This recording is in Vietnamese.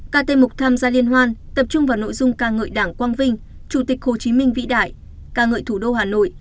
các tên mục tham gia liên hoan tập trung vào nội dung ca ngợi đảng quang vinh chủ tịch hồ chí minh vĩ đại ca ngợi thủ đô hà nội